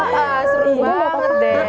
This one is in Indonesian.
wah seru banget deh